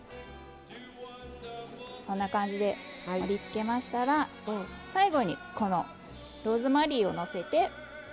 こんな感じで盛りつけましたら最後にこのローズマリーをのせて。